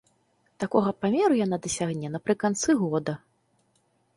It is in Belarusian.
Такога памеру яна дасягне напрыканцы года.